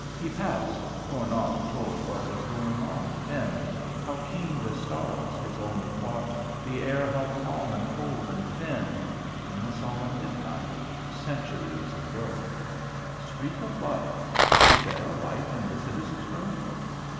He passed, for naught Told what was going on within; How keen the stars, his only thought, The air how calm and cold and thin, In the solemn midnight, Centuries ago!" "Streak of light" Is there a light in Lycidas's room?